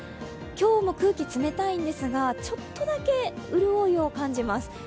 今日も空気冷たいんですが、ちょっとだけ潤いを感じます。